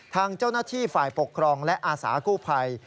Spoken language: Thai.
ทางเจ้าหน้าที่ฝ่ายปกครองและอาสากู้ภัย